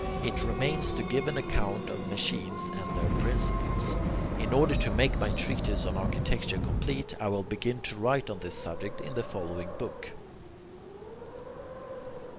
It remains to give an account of machines and their principles. In order to make my treatise on architecture complete, I will begin to write on this subject in the following book.